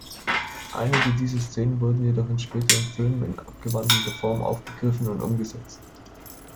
Einige dieser Szenen wurden jedoch in späteren Filmen in abgewandelter Form aufgegriffen und umgesetzt.